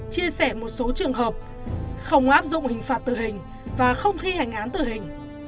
chia sẻ một số trường hợp không áp dụng hình phạt tử hình và không thi hành án tử hình